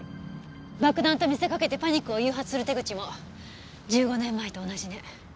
爆弾と見せかけてパニックを誘発する手口も１５年前と同じね。